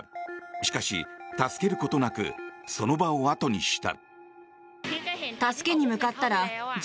しかし、助けることなくその場を後にした。